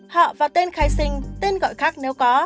họ vào tên khai sinh tên gọi khác nếu có